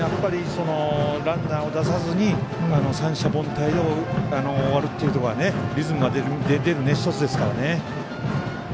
ランナーを出さずに三者凡退に終わるというところがリズムが出る１つですからね。